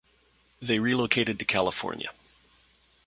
They relocated to California.